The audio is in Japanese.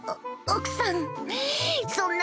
奥さん！